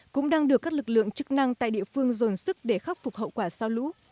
cũng đang được các lực lượng chức năng tại địa phương dồn sức để khắc phục hậu quả sau lũ